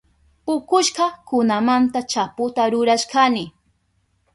Pukushka kunamanta chaputa rurashkani.